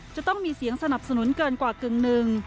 จะต้องมีเสียงสนับสนุนเกินกว่ากึ่งหนึ่ง